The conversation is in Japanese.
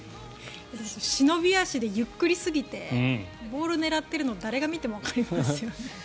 忍び足でゆっくり過ぎてボール狙ってるの誰が見てもわかりますよね。